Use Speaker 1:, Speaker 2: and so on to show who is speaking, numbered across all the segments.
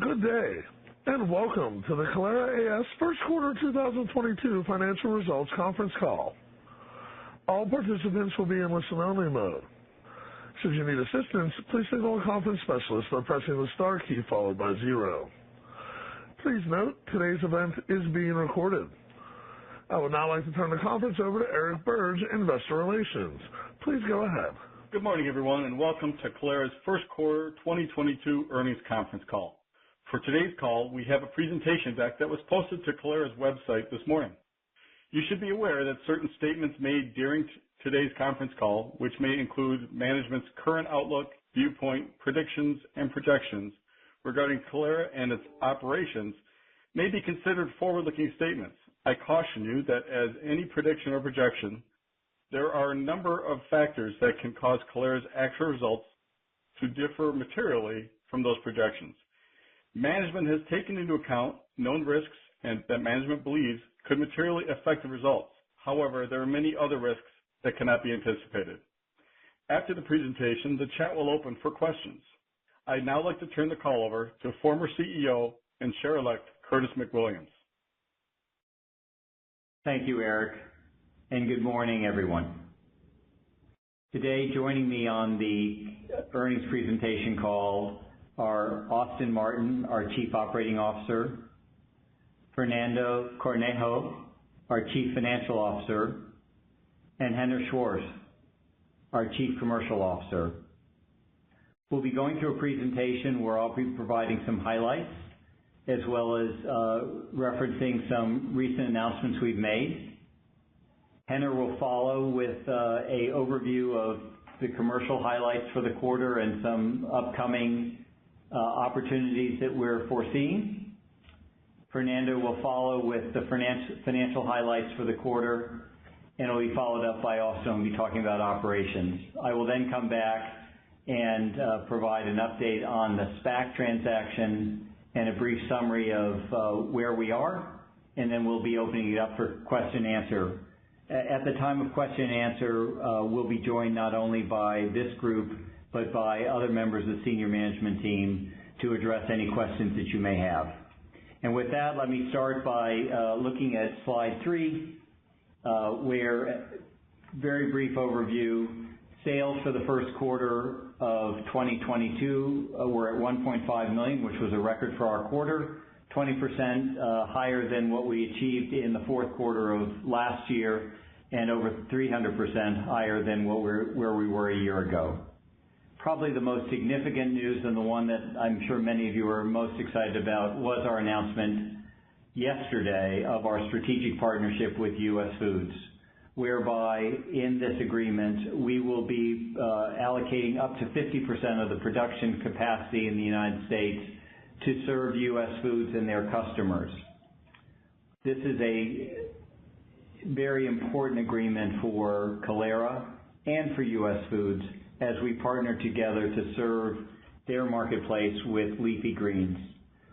Speaker 1: Good day, and welcome to the Kalera AS first quarter 2022 financial results conference call. All participants will be in listen-only mode. Should you need assistance, please signal a conference specialist by pressing the star key followed by zero. Please note, today's event is being recorded. I would now like to turn the conference over to Eric Berge, Investor Relations. Please go ahead.
Speaker 2: Good morning, everyone, and welcome to Kalera's first quarter 2022 earnings conference call. For today's call, we have a presentation deck that was posted to Kalera's website this morning. You should be aware that certain statements made during today's conference call, which may include management's current outlook, viewpoint, predictions, and projections regarding Kalera and its operations, may be considered forward-looking statements. I caution you that as any prediction or projection, there are a number of factors that can cause Kalera's actual results to differ materially from those projections. Management has taken into account known risks and that management believes could materially affect the results. However, there are many other risks that cannot be anticipated. After the presentation, the chat will open for questions. I'd now like to turn the call over to former CEO and chair-elect, Curtis McWilliams.
Speaker 3: Thank you, Eric, and good morning, everyone. Today, joining me on the earnings presentation call are Austin Martin, our Chief Operating Officer, Fernando Cornejo, our Chief Financial Officer, and Henner Schwarz, our Chief Commercial Officer. We'll be going through a presentation where I'll be providing some highlights as well as referencing some recent announcements we've made. Henner will follow with a overview of the commercial highlights for the quarter and some upcoming opportunities that we're foreseeing. Fernando will follow with the financial highlights for the quarter, and it'll be followed up by Austin will be talking about operations. I will then come back and provide an update on the SPAC transaction and a brief summary of where we are, and then we'll be opening it up for question and answer. At the time of question and answer, we'll be joined not only by this group, but by other members of the senior management team to address any questions that you may have. With that, let me start by looking at slide three, where very brief overview. Sales for the first quarter of 2022 were at $1.5 million, which was a record for our quarter, 20% higher than what we achieved in the fourth quarter of last year, and over 300% higher than where we were a year ago. Probably the most significant news than the one that I'm sure many of you are most excited about was our announcement yesterday of our strategic partnership with US Foods, whereby in this agreement, we will be allocating up to 50% of the production capacity in the United States to serve US Foods and their customers. This is a very important agreement for Kalera and for US Foods as we partner together to serve their marketplace with leafy greens.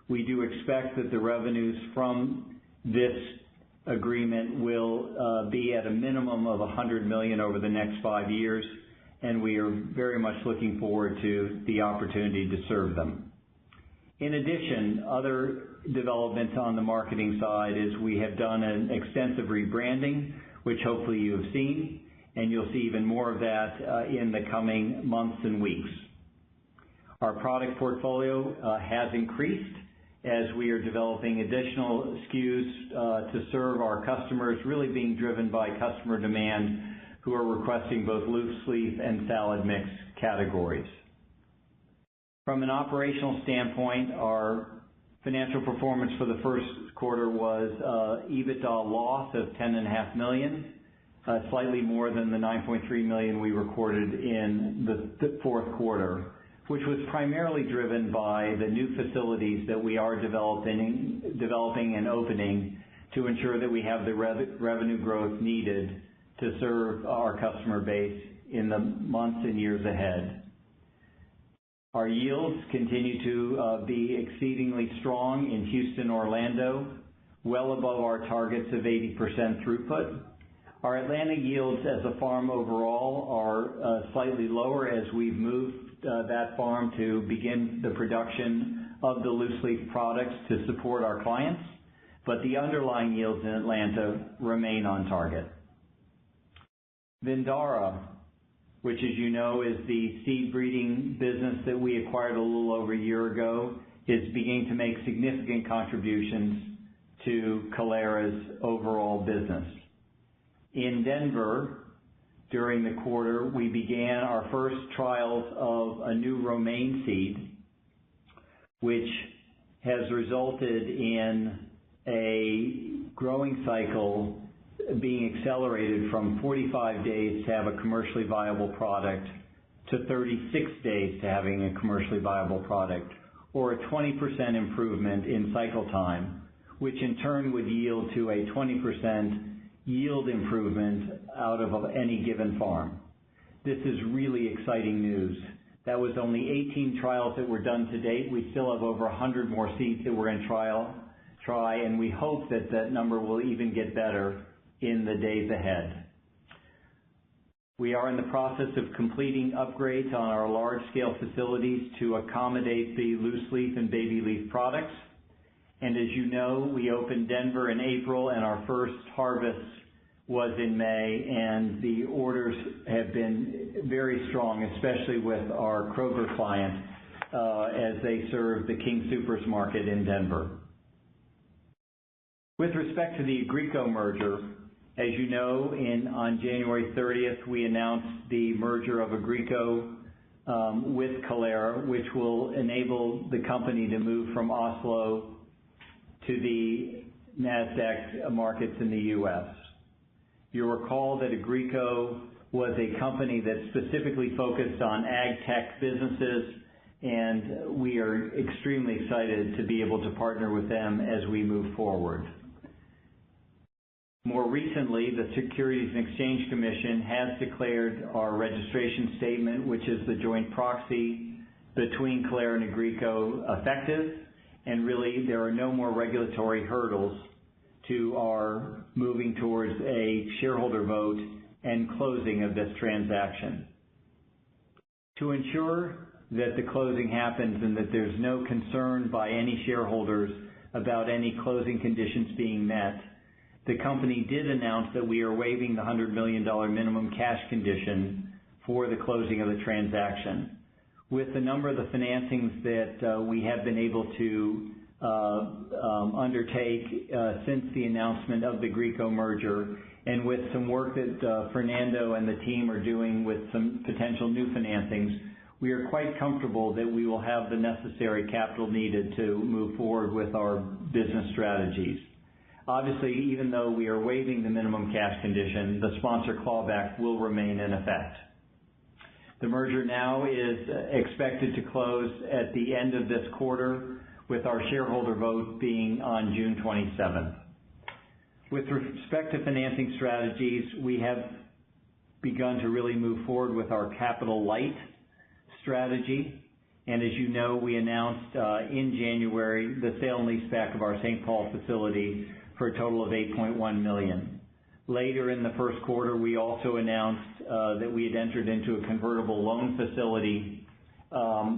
Speaker 3: We do expect that the revenues from this agreement will be at a minimum of $100 million over the next five years, and we are very much looking forward to the opportunity to serve them. In addition, other developments on the marketing side is we have done an extensive rebranding, which hopefully you have seen, and you'll see even more of that, in the coming months and weeks. Our product portfolio has increased as we are developing additional SKUs to serve our customers, really being driven by customer demand who are requesting both loose leaf and salad mix categories. From an operational standpoint, our financial performance for the first quarter was EBITDA loss of $10 and a half million, slightly more than the $9.3 million we recorded in the fourth quarter, which was primarily driven by the new facilities that we are developing and opening to ensure that we have the revenue growth needed to serve our customer base in the months and years ahead. Our yields continue to be exceedingly strong in Houston, Orlando, well above our targets of 80% throughput. Our Atlanta yields as a farm overall are slightly lower as we've moved that farm to begin the production of the loose leaf products to support our clients, but the underlying yields in Atlanta remain on target. Vindara, which as you know is the seed breeding business that we acquired a little over a year ago, is beginning to make significant contributions to Kalera's overall business. In Denver, during the quarter, we began our first trials of a new romaine seed, which has resulted in a growing cycle being accelerated from 45 days to have a commercially viable product to 36 days to having a commercially viable product, or a 20% improvement in cycle time, which in turn would yield to a 20% yield improvement out of any given farm. This is really exciting news. That was only 18 trials that were done to date. We still have over 100 more seeds that we're in trials, and we hope that that number will even get better in the days ahead. We are in the process of completing upgrades on our large scale facilities to accommodate the loose leaf and baby leaf products. As you know, we opened Denver in April, and our first harvest was in May, and the orders have been very strong, especially with our Kroger client, as they serve the King Soopers market in Denver. With respect to the Agrico merger, as you know, on January thirtieth, we announced the merger of Agrico with Kalera, which will enable the company to move from Oslo to the NASDAQ markets in the U.S. You'll recall that Agrico was a company that specifically focused on ag tech businesses, and we are extremely excited to be able to partner with them as we move forward. More recently, the Securities and Exchange Commission has declared our registration statement, which is the joint proxy between Kalera and Agrico effective, and really, there are no more regulatory hurdles to our moving towards a shareholder vote and closing of this transaction. To ensure that the closing happens and that there's no concern by any shareholders about any closing conditions being met, the company did announce that we are waiving the $100 million minimum cash condition for the closing of the transaction. With a number of the financings that we have been able to undertake since the announcement of the Agrico merger, and with some work that Fernando and the team are doing with some potential new financings, we are quite comfortable that we will have the necessary capital needed to move forward with our business strategies. Obviously, even though we are waiving the minimum cash condition, the sponsor callback will remain in effect. The merger now is expected to close at the end of this quarter, with our shareholder vote being on June twenty-seventh. With respect to financing strategies, we have begun to really move forward with our capital light strategy. As you know, we announced in January the sale and leaseback of our St. Paul facility for a total of $8.1 million. Later in the first quarter, we also announced that we had entered into a convertible loan facility,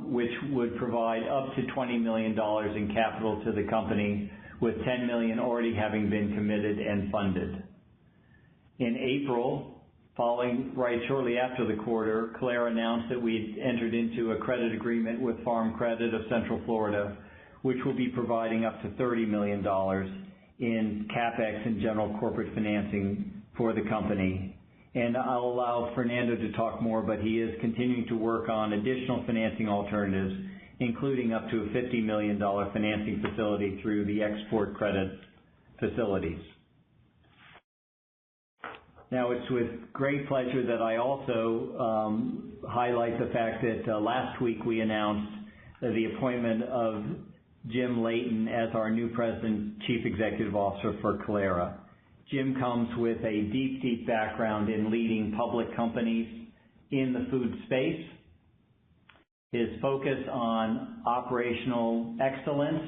Speaker 3: which would provide up to $20 million in capital to the company, with $10 million already having been committed and funded. In April, following right shortly after the quarter, Kalera announced that we'd entered into a credit agreement with Farm Credit of Central Florida, which will be providing up to $30 million in CapEx and general corporate financing for the company. I'll allow Fernando to talk more, but he is continuing to work on additional financing alternatives, including up to a $50 million financing facility through the export credit facilities. Now, it's with great pleasure that I also highlight the fact that last week we announced the appointment of Jim Leighton as our new President and Chief Executive Officer for Kalera. Jim comes with a deep background in leading public companies in the food space. His focus on operational excellence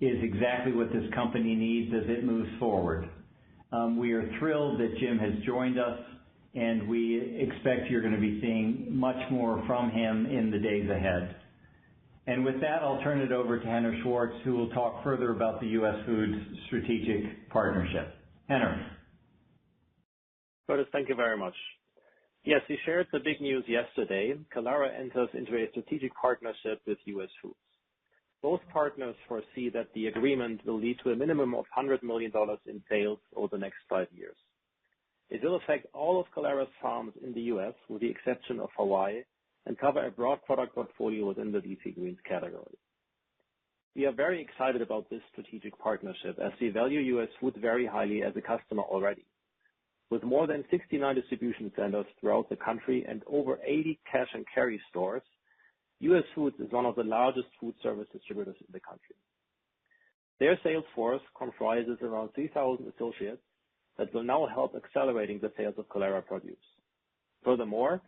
Speaker 3: is exactly what this company needs as it moves forward. We are thrilled that Jim has joined us, and we expect you're gonna be seeing much more from him in the days ahead. With that, I'll turn it over to Henner Schwarz, who will talk further about the US Foods strategic partnership. Henner.
Speaker 4: Curtis, thank you very much. Yes, we shared the big news yesterday. Kalera enters into a strategic partnership with US Foods. Both partners foresee that the agreement will lead to a minimum of $100 million in sales over the next five years. It will affect all of Kalera's farms in the U.S., with the exception of Hawaii, and cover a broad product portfolio within the leafy greens category. We are very excited about this strategic partnership as we value US Foods very highly as a customer already. With more than 69 distribution centers throughout the country and over 80 cash-and-carry stores, US Foods is one of the largest foodservice distributors in the country. Their sales force comprises around 3,000 associates that will now help accelerating the sales of Kalera produce. Furthermore,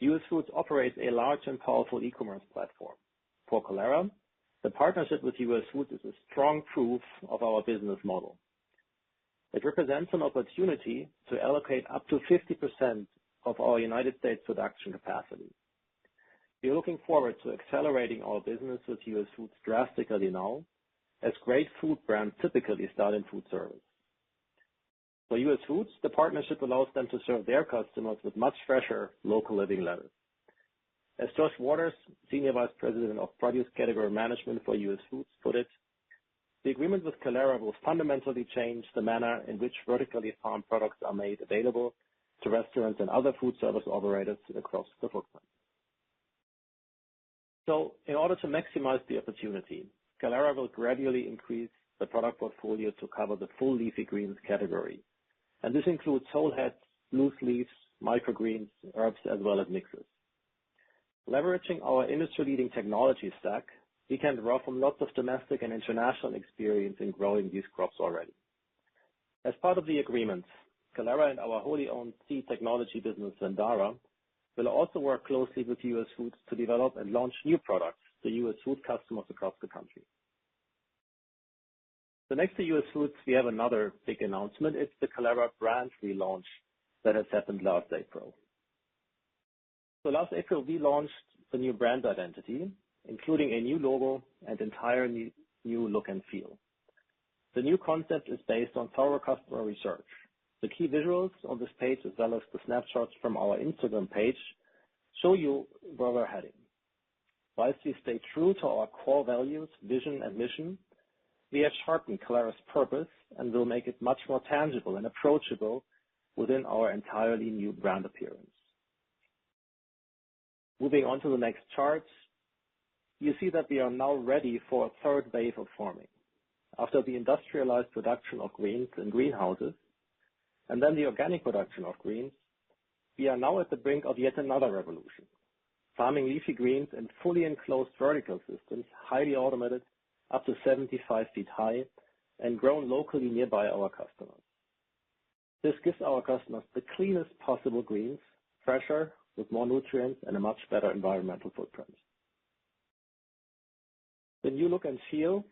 Speaker 4: US Foods operates a large and powerful e-commerce platform. For Kalera, the partnership with US Foods is a strong proof of our business model. It represents an opportunity to allocate up to 50% of our United States production capacity. We're looking forward to accelerating our business with US Foods drastically now, as great food brands typically start in food service. For US Foods, the partnership allows them to serve their customers with much fresher, local living lettuce. As Josh Waters, Senior Vice President of Produce Category Management for US Foods put it, "The agreement with Kalera will fundamentally change the manner in which vertically farmed products are made available to restaurants and other food service operators across the footprint." In order to maximize the opportunity, Kalera will gradually increase the product portfolio to cover the full leafy greens category. This includes whole heads, loose leaves, microgreens, herbs, as well as mixes. Leveraging our industry-leading technology stack, we can draw from lots of domestic and international experience in growing these crops already. As part of the agreement, Kalera and our wholly owned seed technology business, Vindara, will also work closely with US Foods to develop and launch new products to US Foods customers across the country. Next to US Foods, we have another big announcement. It's the Kalera brand relaunch that has happened last April. Last April, we launched the new brand identity, including a new logo and entirely new look and feel. The new concept is based on thorough customer research. The key visuals on this page, as well as the snapshots from our Instagram page, show you where we're heading. While we stay true to our core values, vision, and mission, we have sharpened Kalera's purpose, and we'll make it much more tangible and approachable within our entirely new brand appearance. Moving on to the next chart. You see that we are now ready for a third wave of farming. After the industrialized production of greens and greenhouses, and then the organic production of greens, we are now at the brink of yet another revolution. Farming leafy greens in fully enclosed vertical systems, highly automated, up to 75 feet high and grown locally nearby our customers. This gives our customers the cleanest possible greens, fresher, with more nutrients and a much better environmental footprint. The new look and feel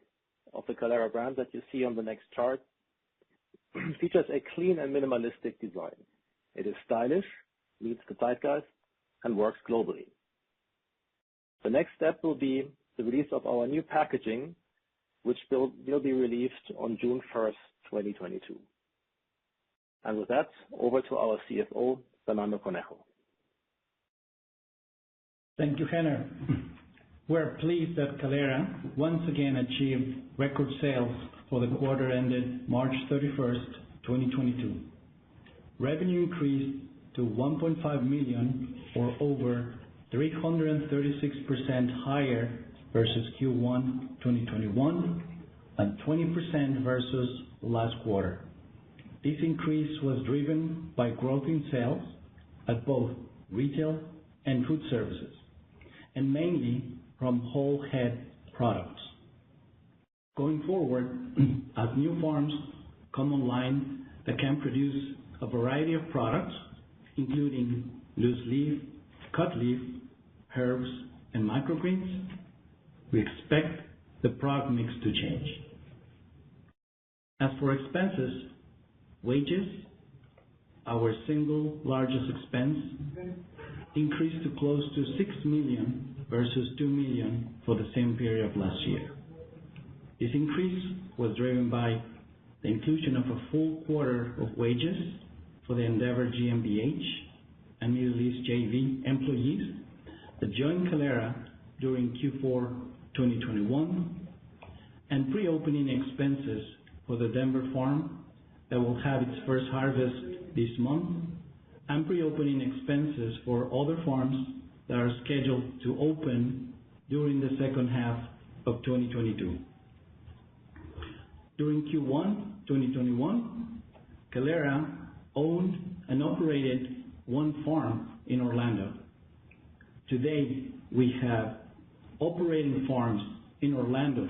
Speaker 4: of the Kalera brand that you see on the next chart features a clean and minimalistic design. It is stylish, meets the zeitgeist, and works globally. The next step will be the release of our new packaging, which will be released on June 1st, 2022. With that, over to our CFO, Fernando Cornejo.
Speaker 5: Thank you, Henner. We're pleased that Kalera once again achieved record sales for the quarter ended March 31st, 2022. Revenue increased to $1.5 million or over 336% higher versus Q1 2021 and 20% versus last quarter. This increase was driven by growth in sales at both retail and food services, and mainly from whole head products. Going forward, as new farms come online that can produce a variety of products, including loose leaf, cut leaf, herbs, and microgreens, we expect the product mix to change. As for expenses, wages, our single largest expense, increased to close to $6 million versus $2 million for the same period last year. This increase was driven by the inclusion of a full quarter of wages for the Endeavour GmbH, a newly leased JV employees that joined Kalera during Q4 2021, and pre-opening expenses for the Denver farm that will have its first harvest this month, and pre-opening expenses for other farms that are scheduled to open during the second half of 2022. During Q1 2021, Kalera owned and operated one farm in Orlando. Today, we have operating farms in Orlando,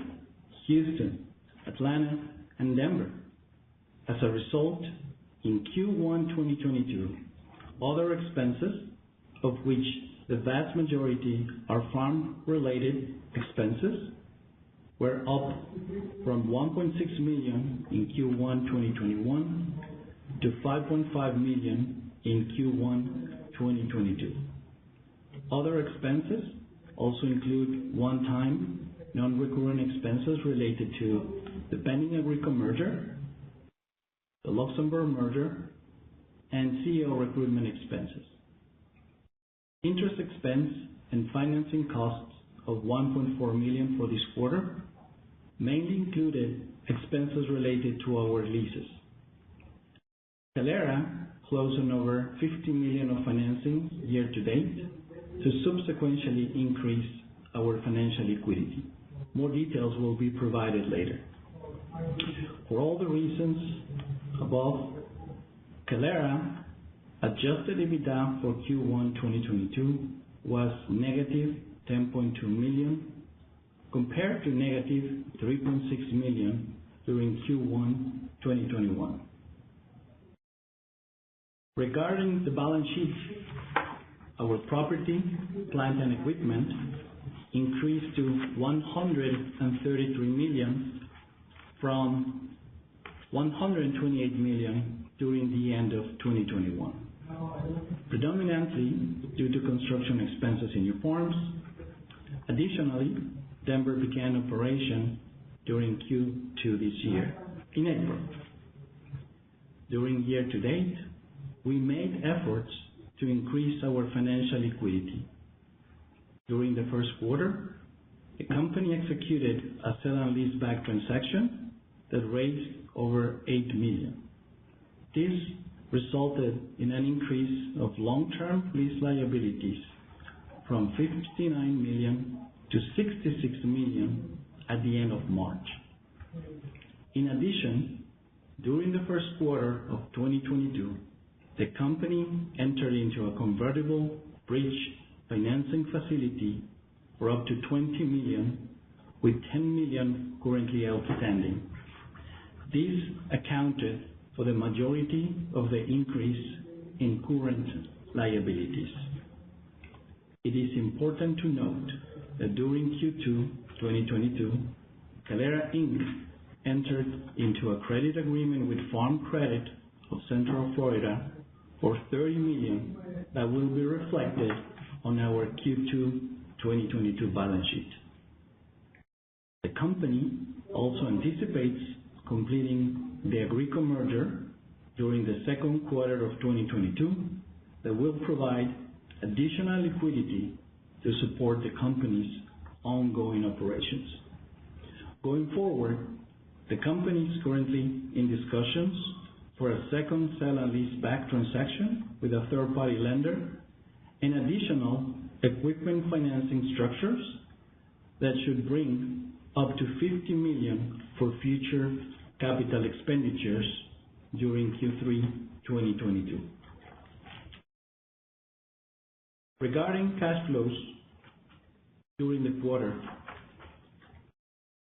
Speaker 5: Houston, Atlanta, and Denver. As a result, in Q1 2022, other expenses, of which the vast majority are farm-related expenses, were up from $1.6 million in Q1 2021 to $5.5 million in Q1 2022. Other expenses also include one-time non-recurring expenses related to the Agrico merger, the Luxembourg merger, and CEO recruitment expenses. Interest expense and financing costs of $1.4 million for this quarter mainly included expenses related to our leases. Kalera closed on over $50 million of financing year-to-date to subsequently increase our financial liquidity. More details will be provided later. For all the reasons above, Kalera adjusted EBITDA for Q1 2022 was negative $10.2 million, compared to negative $3.6 million during Q1 2021. Regarding the balance sheet, our property, plant, and equipment increased to $133 million from $128 million during the end of 2021, predominantly due to construction expenses in new farms. Additionally, Denver began operation during Q2 this year in April. During year-to-date, we made efforts to increase our financial liquidity. During the first quarter, the company executed a sell and leaseback transaction that raised over $8 million. This resulted in an increase of long-term lease liabilities from $59 million to $66 million at the end of March. In addition, during the first quarter of 2022, the company entered into a convertible bridge financing facility for up to $20 million, with $10 million currently outstanding. This accounted for the majority of the increase in current liabilities. It is important to note that during Q2 2022, Kalera, Inc. entered into a credit agreement with Farm Credit of Central Florida for $30 million that will be reflected on our Q2 2022 balance sheet. The company also anticipates completing the Agrico merger during the second quarter of 2022 that will provide additional liquidity to support the company's ongoing operations. Going forward, the company is currently in discussions for a second sell and lease back transaction with a third-party lender and additional equipment financing structures that should bring up to $50 million for future capital expenditures during Q3 2022. Regarding cash flows during the quarter,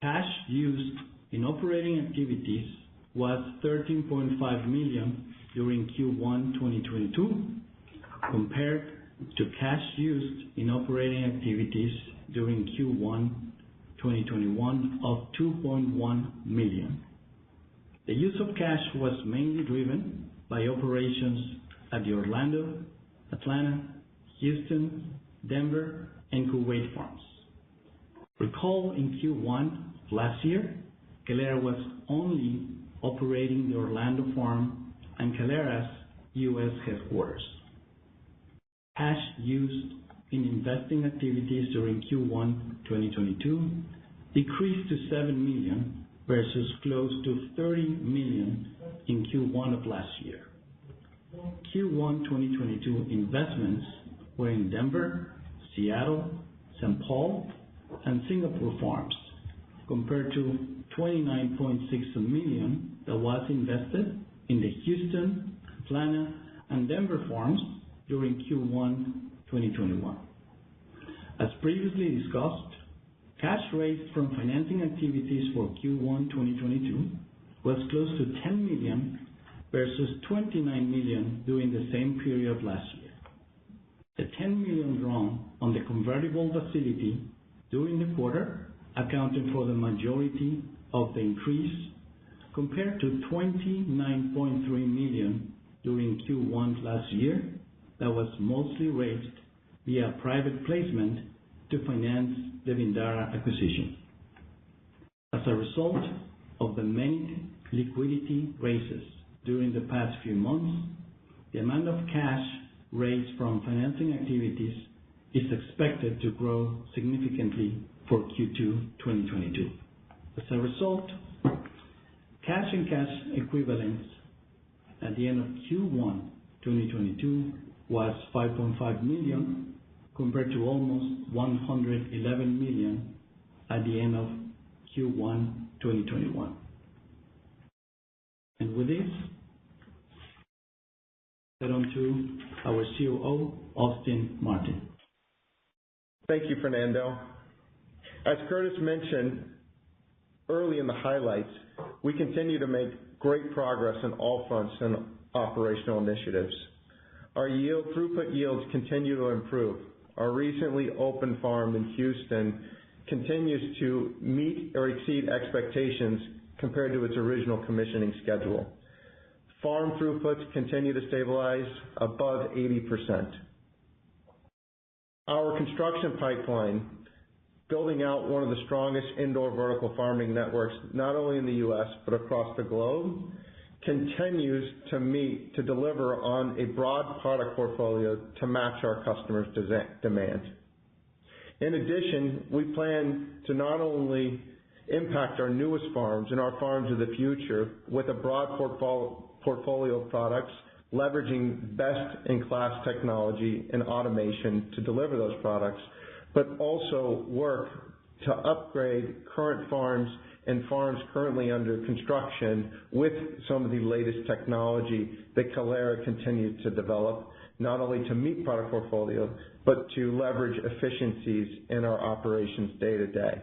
Speaker 5: cash used in operating activities was $13.5 million during Q1 2022, compared to cash used in operating activities during Q1 2021 of $2.1 million. The use of cash was mainly driven by operations at the Orlando, Atlanta, Houston, Denver, and Kuwait farms. Recall in Q1 last year, Kalera was only operating the Orlando farm and Kalera's US headquarters. Cash used in investing activities during Q1 2022 decreased to $7 million versus close to $30 million in Q1 of last year. Q1 2022 investments were in Denver, Seattle, St.Paul, and Singapore farms, compared to $29.6 million that was invested in the Houston, Atlanta, and Denver farms during Q1 2021. As previously discussed, cash raised from financing activities for Q1 2022 was close to $10 million versus $29 million during the same period last year. The $10 million drawn on the convertible facility during the quarter accounted for the majority of the increase compared to $29.3 million during Q1 last year that was mostly raised via private placement to finance the Vindara acquisition. As a result of the many liquidity raises during the past few months, the amount of cash raised from financing activities is expected to grow significantly for Q2 2022. As a result, cash and cash equivalents at the end of Q1 2022 was $5.5 million, compared to almost $111 million at the end of Q1 2021. With this, I hand over to our COO, Austin Martin.
Speaker 6: Thank you, Fernando. As Curtis mentioned early in the highlights, we continue to make great progress on all fronts and operational initiatives. Our throughput yields continue to improve. Our recently opened farm in Houston continues to meet or exceed expectations compared to its original commissioning schedule. Farm throughputs continue to stabilize above 80%. Our construction pipeline, building out one of the strongest indoor vertical farming networks, not only in the U.S. but across the globe, continues to deliver on a broad product portfolio to match our customers' demands. In addition, we plan to not only impact our newest farms and our farms of the future with a broad portfolio of products, leveraging best-in-class technology and automation to deliver those products, but also work to upgrade current farms and farms currently under construction with some of the latest technology that Kalera continued to develop, not only to meet product portfolios, but to leverage efficiencies in our operations day-to-day.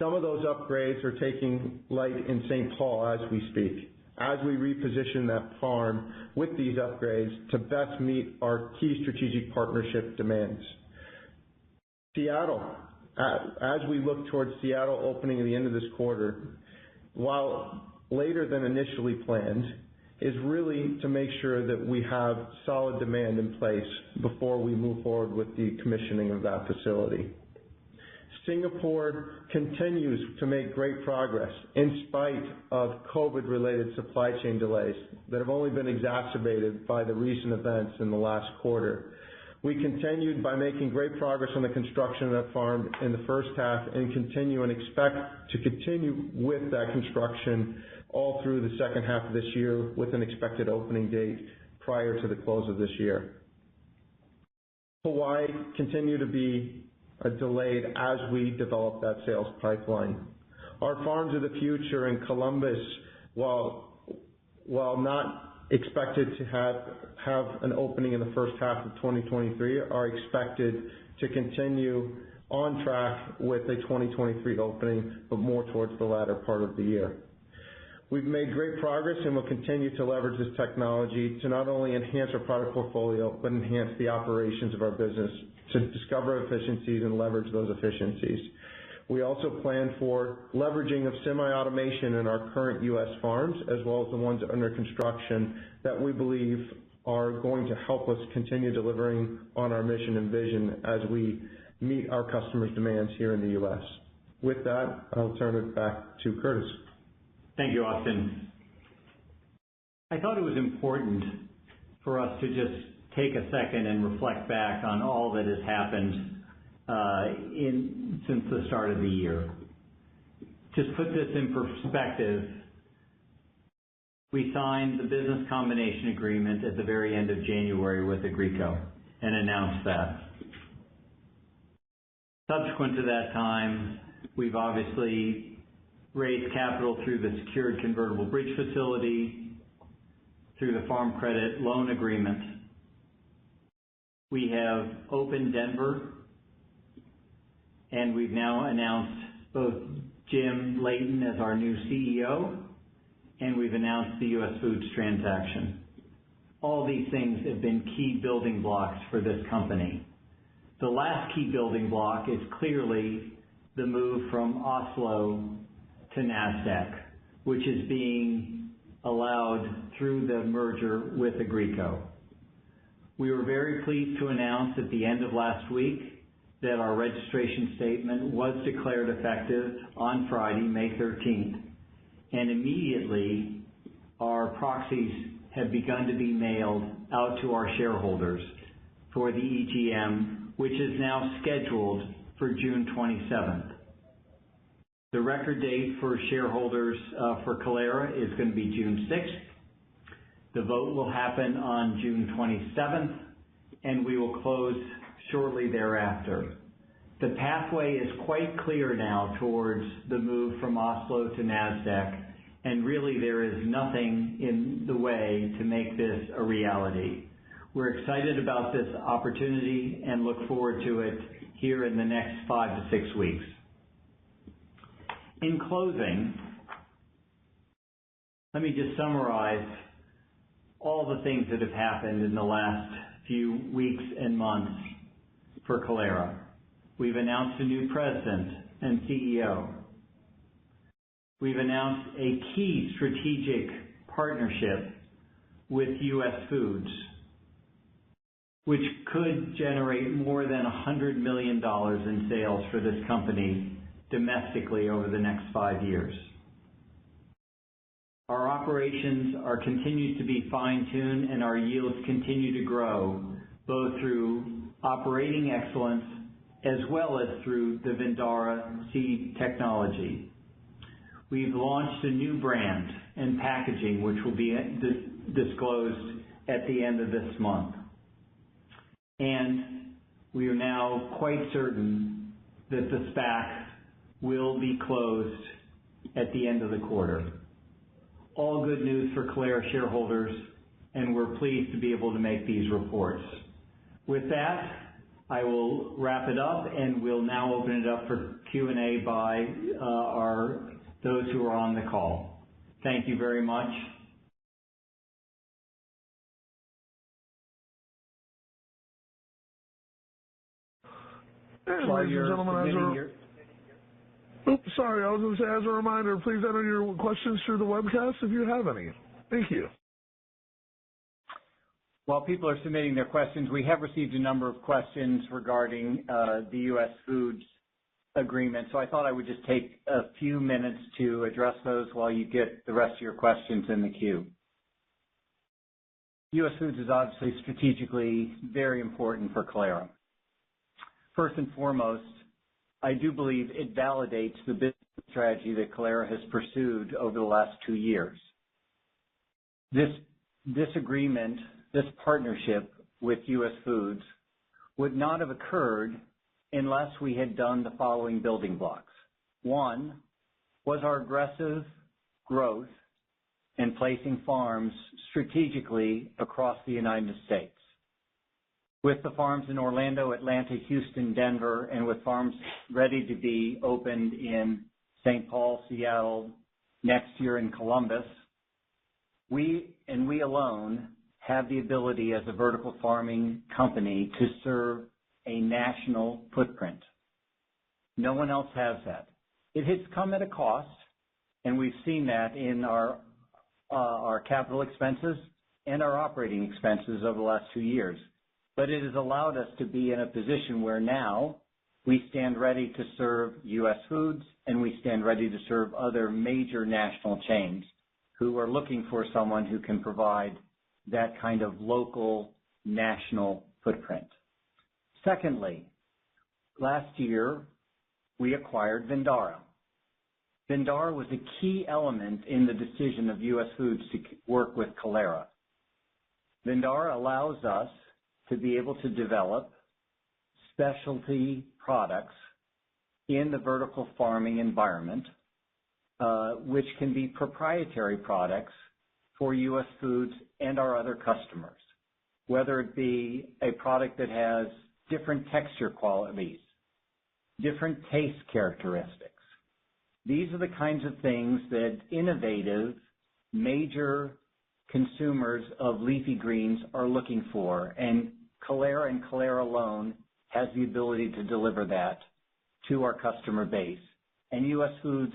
Speaker 6: Some of those upgrades are taking place in St. Paul as we speak, as we reposition that farm with these upgrades to best meet our key strategic partnership demands. As we look towards Seattle opening at the end of this quarter, while later than initially planned, is really to make sure that we have solid demand in place before we move forward with the commissioning of that facility. Singapore continues to make great progress in spite of COVID-related supply chain delays that have only been exacerbated by the recent events in the last quarter. We continued by making great progress on the construction of that farm in the first half and continue and expect to continue with that construction all through the second half of this year with an expected opening date prior to the close of this year. Hawaii continue to be delayed as we develop that sales pipeline. Our farms of the future in Columbus, while not expected to have an opening in the first half of 2023, are expected to continue on track with a 2023 opening, but more towards the latter part of the year. We've made great progress, and we'll continue to leverage this technology to not only enhance our product portfolio, but enhance the operations of our business to discover efficiencies and leverage those efficiencies. We also plan for leveraging of semi-automation in our current U.S. farms, as well as the ones under construction that we believe are going to help us continue delivering on our mission and vision as we meet our customers' demands here in the U.S. With that, I'll turn it back to Curtis.
Speaker 3: Thank you, Austin. I thought it was important for us to just take a second and reflect back on all that has happened since the start of the year. To put this in perspective, we signed the business combination agreement at the very end of January with Agrico and announced that. Subsequent to that time, we've obviously raised capital through the secured convertible bridge facility, through the farm credit loan agreement. We have opened Denver, and we've now announced both Jim Leighton as our new CEO, and we've announced the US Foods transaction. All these things have been key building blocks for this company. The last key building block is clearly the move from Oslo to NASDAQ, which is being allowed through the merger with Agrico. We were very pleased to announce at the end of last week that our registration statement was declared effective on Friday, May 13th. Immediately, our proxies have begun to be mailed out to our shareholders for the EGM, which is now scheduled for June 27th. The record date for shareholders for Kalera is gonna be June 6th. The vote will happen on June 27th, and we will close shortly thereafter. The pathway is quite clear now towards the move from Oslo to NASDAQ, and really there is nothing in the way to make this a reality. We're excited about this opportunity and look forward to it here in the next five-six weeks. In closing, let me just summarize all the things that have happened in the last few weeks and months for Kalera. We've announced a new president and CEO. We've announced a key strategic partnership with US Foods, which could generate more than $100 million in sales for this company domestically over the next five years. Our operations are continued to be fine-tuned, and our yields continue to grow, both through operating excellence as well as through the Vindara seed technology. We've launched a new brand and packaging, which will be disclosed at the end of this month. We are now quite certain that the SPAC will be closed at the end of the quarter. All good news for Kalera shareholders, and we're pleased to be able to make these reports. With that, I will wrap it up, and we'll now open it up for Q&A by those who are on the call. Thank you very much.
Speaker 1: Ladies and gentlemen. While you're submitting your- Oops, sorry. I was gonna say, as a reminder, please enter your questions through the webcast if you have any. Thank you.
Speaker 3: While people are submitting their questions, we have received a number of questions regarding the US Foods agreement. I thought I would just take a few minutes to address those while you get the rest of your questions in the queue. US Foods is obviously strategically very important for Kalera. First and foremost, I do believe it validates the business strategy that Kalera has pursued over the last two years. This agreement, this partnership with US Foods would not have occurred unless we had done the following building blocks. One was our aggressive growth in placing farms strategically across the United States. With the farms in Orlando, Atlanta, Houston, Denver, and with farms ready to be opened in St. Paul, Seattle, next year in Columbus, we alone have the ability as a vertical farming company to serve a national footprint. No one else has that. It has come at a cost, and we've seen that in our our capital expenses and our operating expenses over the last two years. It has allowed us to be in a position where now we stand ready to serve US Foods, and we stand ready to serve other major national chains who are looking for someone who can provide that kind of local national footprint. Secondly, last year, we acquired Vindara. Vindara was a key element in the decision of US Foods to work with Kalera. Vindara allows us to be able to develop specialty products in the vertical farming environment, which can be proprietary products for US Foods and our other customers, whether it be a product that has different texture qualities. Different taste characteristics. These are the kinds of things that innovative major consumers of leafy greens are looking for, and Kalera and Kalera alone has the ability to deliver that to our customer base. US Foods,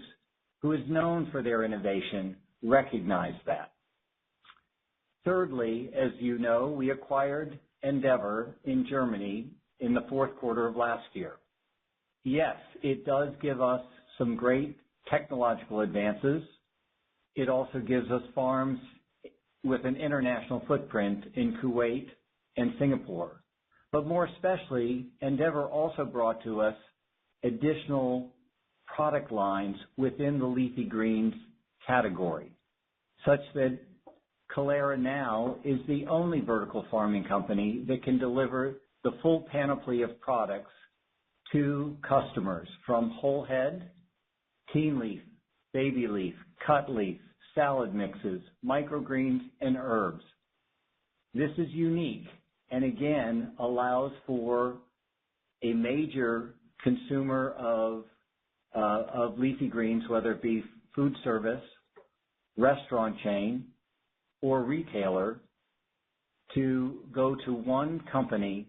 Speaker 3: who is known for their innovation, recognize that. Thirdly, as you know, we acquired Endeavour in Germany in the fourth quarter of last year. Yes, it does give us some great technological advances. It also gives us farms with an international footprint in Kuwait and Singapore. More especially, Endeavour also brought to us additional product lines within the leafy greens category, such that Kalera now is the only vertical farming company that can deliver the full panoply of products to customers from whole head, Teen Leaf, baby leaf, cut leaf, salad mixes, microgreens, and herbs. This is unique, and again, allows for a major consumer of leafy greens, whether it be food service, restaurant chain, or retailer, to go to one company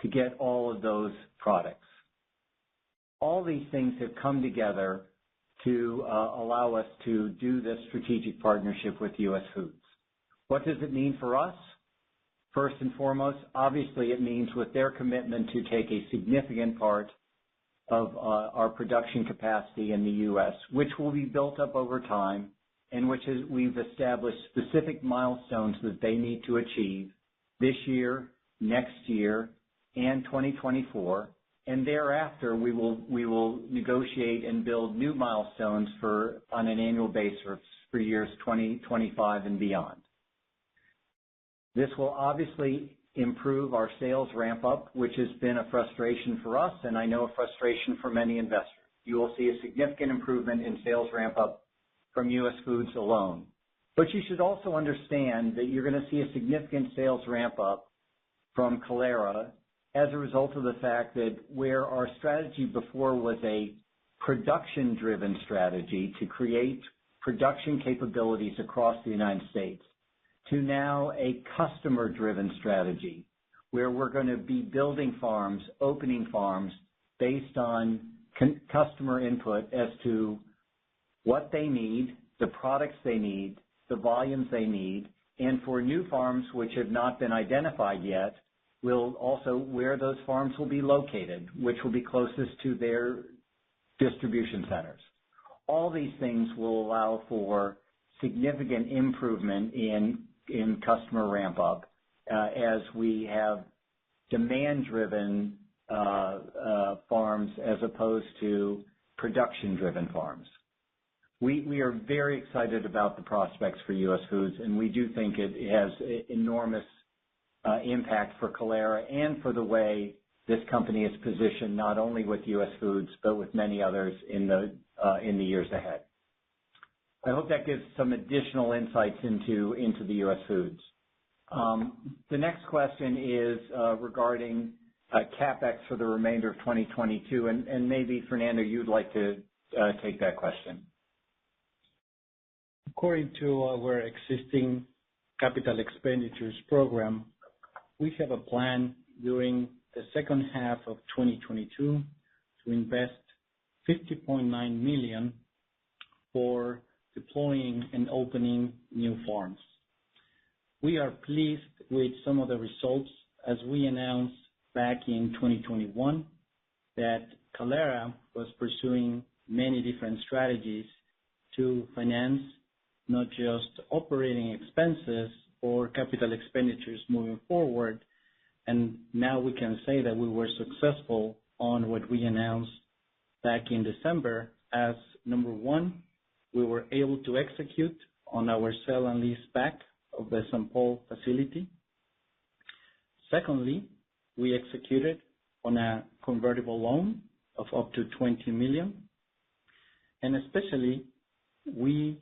Speaker 3: to get all of those products. All these things have come together to allow us to do this strategic partnership with US Foods. What does it mean for us? First and foremost, obviously it means with their commitment to take a significant part of our production capacity in the U.S., which will be built up over time, and which is we've established specific milestones that they need to achieve this year, next year, and 2024. Thereafter, we will negotiate and build new milestones for on an annual basis for years 2025 and beyond. This will obviously improve our sales ramp up, which has been a frustration for us, and I know a frustration for many investors. You will see a significant improvement in sales ramp up from US Foods alone. You should also understand that you're gonna see a significant sales ramp up from Kalera as a result of the fact that where our strategy before was a production-driven strategy to create production capabilities across the United States to now a customer-driven strategy, where we're gonna be building farms, opening farms based on customer input as to what they need, the products they need, the volumes they need, and for new farms which have not been identified yet, will also where those farms will be located, which will be closest to their distribution centers. All these things will allow for significant improvement in customer ramp up, as we have demand-driven farms as opposed to production-driven farms. We are very excited about the prospects for US Foods, and we do think it has enormous impact for Kalera and for the way this company is positioned, not only with US Foods, but with many others in the years ahead. I hope that gives some additional insights into the US Foods. The next question is regarding CapEx for the remainder of 2022, and maybe Fernando, you'd like to take that question.
Speaker 5: According to our existing capital expenditures program, we have a plan during the second half of 2022 to invest $50.9 million for deploying and opening new farms. We are pleased with some of the results as we announced back in 2021, that Kalera was pursuing many different strategies to finance, not just operating expenses or capital expenditures moving forward. Now we can say that we were successful on what we announced back in December as number one, we were able to execute on our sell and lease back of the St. Paul facility. Secondly, we executed on a convertible loan of up to $20 million, and especially we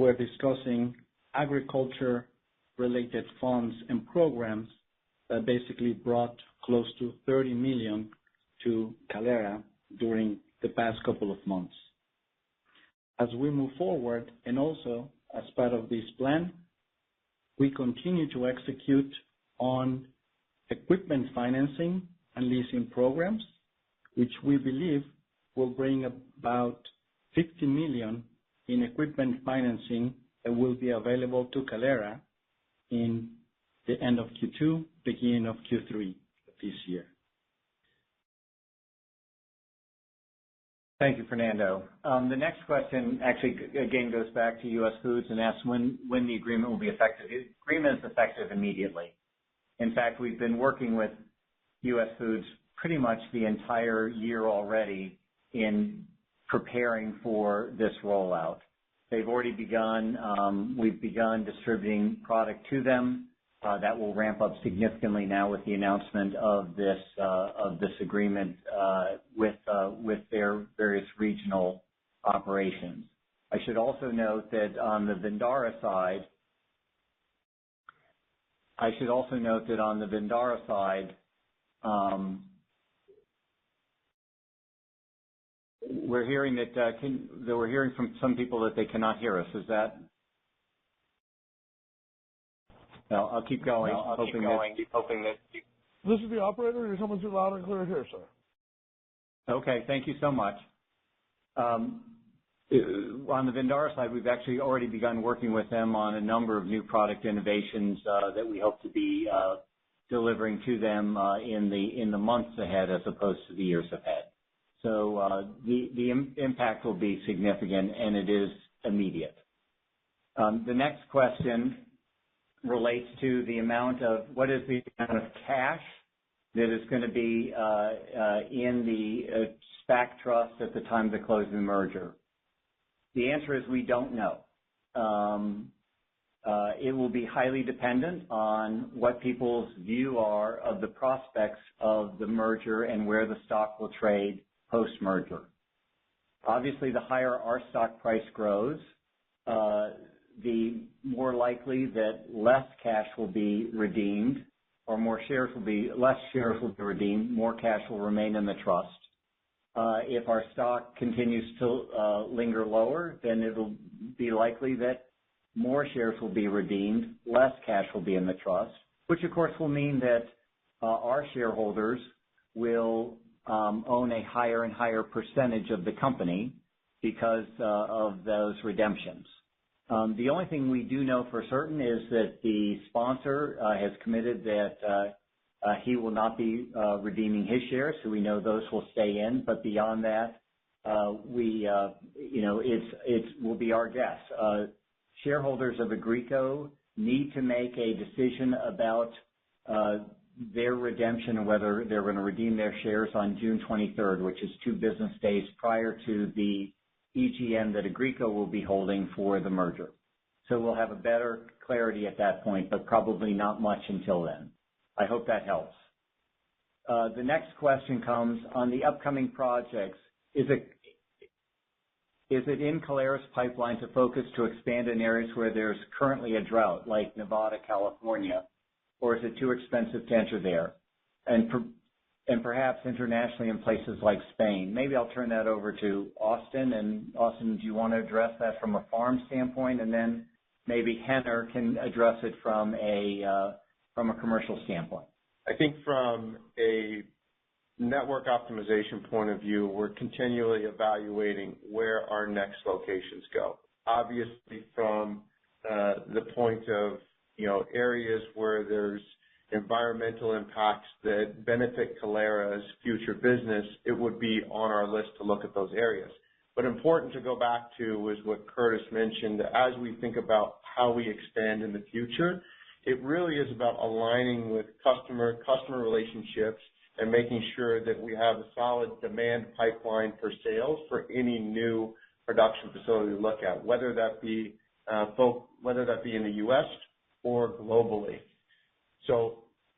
Speaker 5: were discussing agriculture related funds and programs that basically brought close to $30 million to Kalera during the past couple of months. As we move forward and also as part of this plan, we continue to execute on equipment financing and leasing programs, which we believe will bring about $50 million in equipment financing that will be available to Kalera in the end of Q2, beginning of Q3 this year.
Speaker 3: Thank you, Fernando. The next question actually goes back to US Foods and asks when the agreement will be effective. The agreement is effective immediately. In fact, we've been working with US Foods pretty much the entire year already in preparing for this rollout. We've begun distributing product to them that will ramp up significantly now with the announcement of this agreement with their various regional operations. I should also note that on the Vindara side, we're hearing that they were hearing from some people that they cannot hear us. Is that. No, I'll keep going. I'm hoping that.
Speaker 1: This is the operator. You're coming through loud and clear here, sir.
Speaker 3: Okay, thank you so much. On the Vindara side, we've actually already begun working with them on a number of new product innovations that we hope to be delivering to them in the months ahead as opposed to the years ahead. The impact will be significant and it is immediate. The next question relates to the amount of cash that is gonna be in the SPAC trust at the time of the closing merger? The answer is we don't know. It will be highly dependent on what people's views are of the prospects of the merger and where the stock will trade post-merger. Obviously, the higher our stock price grows, the more likely that less cash will be redeemed or more shares will be. Less shares will be redeemed, more cash will remain in the trust. If our stock continues to linger lower, then it'll be likely that more shares will be redeemed, less cash will be in the trust, which of course will mean that our shareholders will own a higher and higher percentage of the company because of those redemptions. The only thing we do know for certain is that the sponsor has committed that he will not be redeeming his shares, so we know those will stay in. Beyond that, we, you know, it will be our guess. Shareholders of Agrico need to make a decision about their redemption and whether they're gonna redeem their shares on June 23rd, which is two business days prior to the EGM that Agrico will be holding for the merger. We'll have a better clarity at that point, but probably not much until then. I hope that helps. The next question comes on the upcoming projects. Is it in Kalera's pipeline to focus to expand in areas where there's currently a drought like Nevada, California, or is it too expensive to enter there? And perhaps internationally in places like Spain. Maybe I'll turn that over to Austin. Austin, do you wanna address that from a farm standpoint? Maybe Henner can address it from a commercial standpoint.
Speaker 6: I think from a network optimization point of view, we're continually evaluating where our next locations go. Obviously, from the point of, you know, areas where there's environmental impacts that benefit Kalera's future business, it would be on our list to look at those areas. Important to go back to is what Curtis mentioned. As we think about how we expand in the future, it really is about aligning with customer relationships and making sure that we have a solid demand pipeline for sales for any new production facility to look at, whether that be in the US or globally.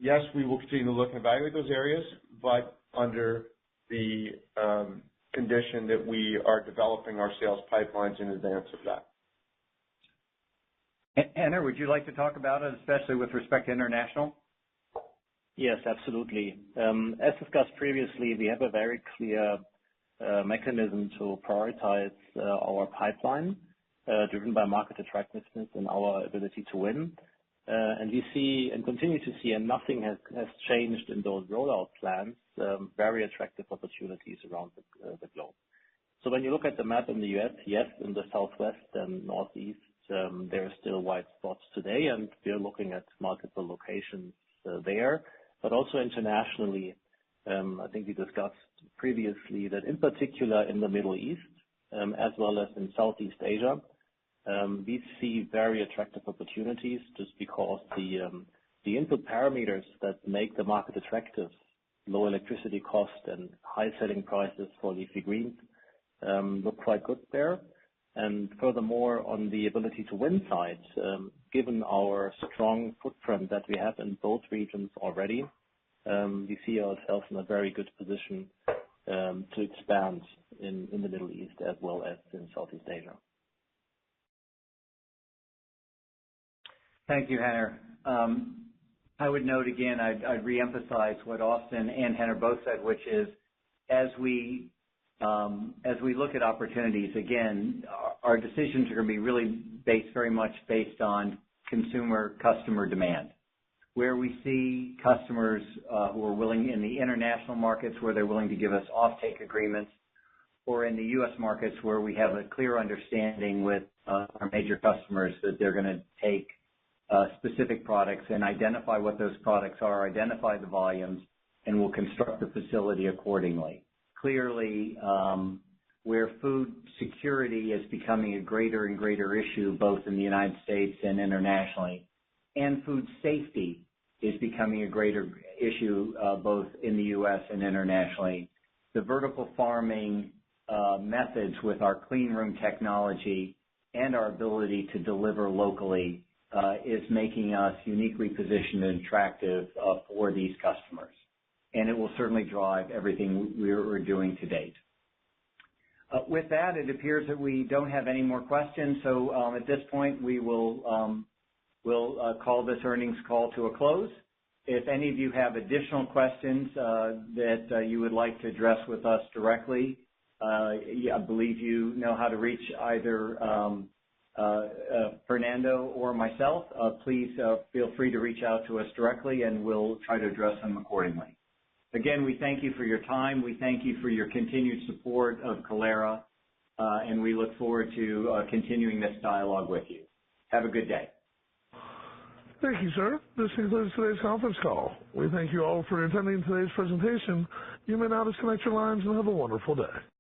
Speaker 6: Yes, we will continue to look and evaluate those areas, but under the condition that we are developing our sales pipelines in advance of that.
Speaker 3: Henner, would you like to talk about it, especially with respect to international?
Speaker 4: Yes, absolutely. As discussed previously, we have a very clear mechanism to prioritize our pipeline, driven by market attractiveness and our ability to win. We see and continue to see, and nothing has changed in those rollout plans, very attractive opportunities around the globe. When you look at the map in the U.S., yes, in the Southwest and Northeast, there are still white spots today, and we are looking at multiple locations there. Also internationally, I think we discussed previously that in particular in the Middle East, as well as in Southeast Asia, we see very attractive opportunities just because the input parameters that make the market attractive, low electricity cost and high selling prices for leafy greens, look quite good there. Furthermore, on the ability to win side, given our strong footprint that we have in both regions already, we see ourselves in a very good position to expand in the Middle East as well as in Southeast Asia.
Speaker 3: Thank you, Henner. I would note again, I'd re-emphasize what Austin and Henner both said, which is, as we look at opportunities, again, our decisions are gonna be really based very much on consumer customer demand. Where we see customers who are willing in the international markets, where they're willing to give us offtake agreements or in the U.S. markets where we have a clear understanding with our major customers that they're gonna take specific products and identify what those products are, identify the volumes, and we'll construct the facility accordingly. Clearly, where food security is becoming a greater and greater issue both in the United States and internationally, and food safety is becoming a greater issue both in the U.S. and internationally. The vertical farming methods with our clean room technology and our ability to deliver locally is making us uniquely positioned and attractive for these customers, and it will certainly drive everything we're doing to date. With that, it appears that we don't have any more questions. At this point, we'll call this earnings call to a close. If any of you have additional questions that you would like to address with us directly, I believe you know how to reach either Fernando or myself. Please feel free to reach out to us directly, and we'll try to address them accordingly. Again, we thank you for your time. We thank you for your continued support of Kalera, and we look forward to continuing this dialogue with you. Have a good day.
Speaker 1: Thank you, sir. This concludes today's conference call. We thank you all for attending today's presentation. You may now disconnect your lines and have a wonderful day.